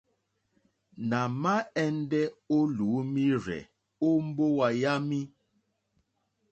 Nà ma ɛndɛ o lùumirzɛ̀ o mbowa yami.